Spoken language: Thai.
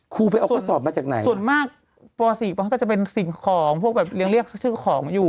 คุ้วไปเอาข้อสอบมาจากไหนอ่ะส่วนมากปสี่บอกว่าจะเป็นสิ่งของพวกเรียกเรียกชื่อของอยู่